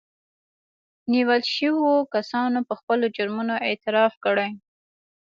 نيول شويو کسانو په خپلو جرمونو اعتراف کړی